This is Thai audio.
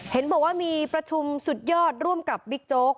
เห็นบอกว่ามีประชุมสุดยอดร่วมกับบิ๊กโจ๊ก